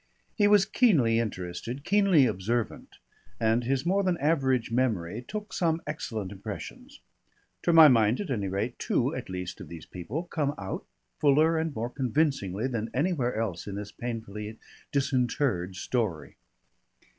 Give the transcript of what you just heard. He was keenly interested, keenly observant, and his more than average memory took some excellent impressions. To my mind, at any rate, two at least of these people come out, fuller and more convincingly than anywhere else in this painfully disinterred story.